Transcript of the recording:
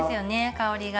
香りが。